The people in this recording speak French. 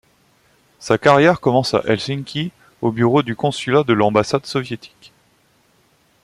Sa carrière commence à Helsinki au bureau du consulat de l'ambassade soviétique.